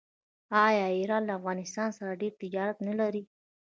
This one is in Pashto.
آیا ایران له افغانستان سره ډیر تجارت نلري؟